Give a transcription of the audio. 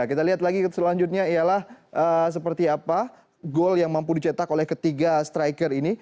kita lihat lagi selanjutnya ialah seperti apa gol yang mampu dicetak oleh ketiga striker ini